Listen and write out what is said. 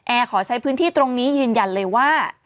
ขอใช้พื้นที่ตรงนี้ยืนยันเลยว่า